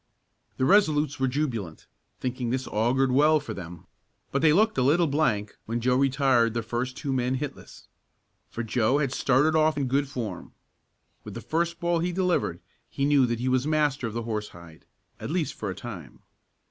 The Resolutes were jubilant, thinking this augured well for them, but they looked a little blank when Joe retired their first two men hitless. For Joe had started off in good form. With the first ball he delivered he knew that he was master of the horsehide at least for a time.